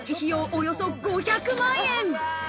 およそ５００万円。